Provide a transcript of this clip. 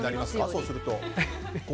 そうすると。